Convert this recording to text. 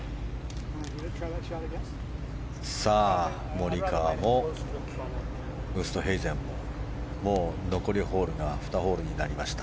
モリカワもウーストヘイゼンももう残りホールが２ホールになりました。